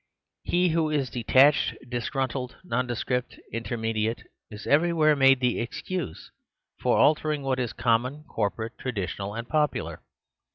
He who is de tached, disgruntled, nondescript, intermedi ate, is everywhere made the excuse for alter ing what is common, corporate, traditional and popular.